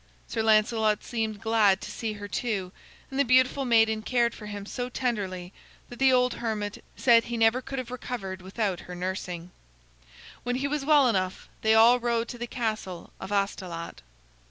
Sir Lancelot seemed glad to see her, too, and the beautiful maiden cared for him so tenderly that the old hermit said he never could have recovered without her nursing. When he was well enough, they all rode to the castle of Astolat.